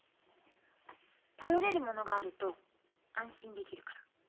頼れるものがあると安心できるから。